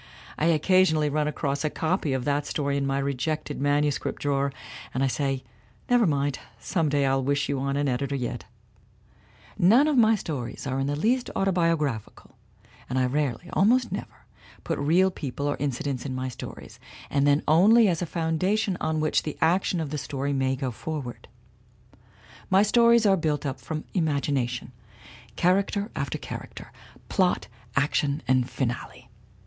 I occa sionally run across a copy of that story in my rejected manuscript drawer and I say, 'Never mind some day I'll wish you on an editor, yet/ "None of my stories are in the least autobiographi cal, and I rarely almost never put real people or in cidents in my stories, and then only as a foundation on which the action of the story may go forward. My stories are built up from my imagination, character after character, plot, action and finale.